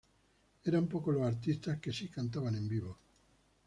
Eran pocos los artistas que si cantaban en vivo.